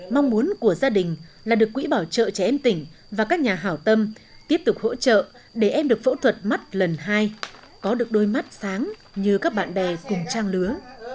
mong muốn của gia đình là được quỹ bảo trợ trẻ em tỉnh và các nhà hảo tâm tiếp tục hỗ trợ để em được phẫu thuật mắt lần hai có được đôi mắt sáng như các bạn bè cùng trang lứa